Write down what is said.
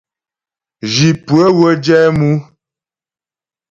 Zhi pʉə́ə wə́ jɛ mʉ.